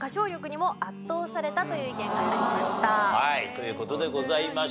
という事でございました。